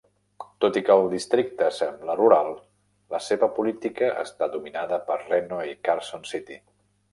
Tot i que el districte sembla rural, la seva política està dominada per Reno i Carson City.